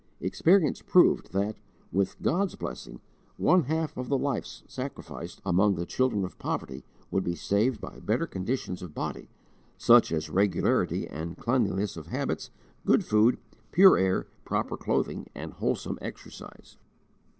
Experience proved that, with God's blessing, one half of the lives sacrificed among the children of poverty would be saved by better conditions of body such as regularity and cleanliness of habits, good food, pure air, proper clothing, and wholesome exercise.